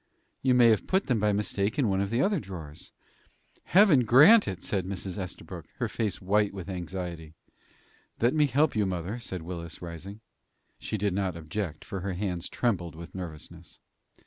"You may have put them, by mistake, in one of the other drawers." "Heaven grant it!" said Mrs. Estabrook, her face white with anxiety. "Let me help you, mother," said Willis, rising. She did not object, for her hands trembled with nervousness.